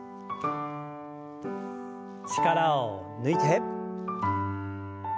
力を抜いて。